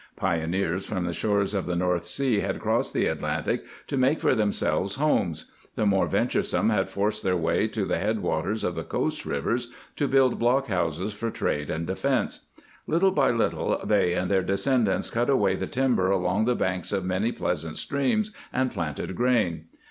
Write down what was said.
Pioneers from the shores of the North Sea had crossed the Atlantic to make for themselves homes ; the more vent uresome had forced their way to the head waters of the coast rivers to build block houses for trade and defence. Little by little they and their de scendants cut away the timber along the banks of many pleasant streams and planted grain.